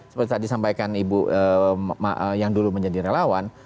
seperti tadi sampaikan ibu yang dulu menjadi relawan